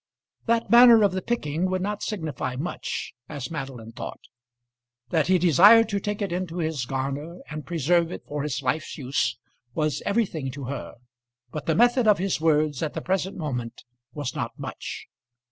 That manner of the picking would not signify much, as Madeline thought. That he desired to take it into his garner and preserve it for his life's use was everything to her, but the method of his words at the present moment was not much.